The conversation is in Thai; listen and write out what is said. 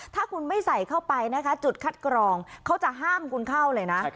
ถ้าคุณไม่ใส่เข้าไปนะคะจุดคัดกรองเขาจะห้ามคุณเข้าเลยนะ